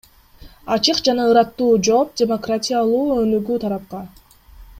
Ачык жана ыраттуу жооп – демократиялуу өнүгүү тарапка.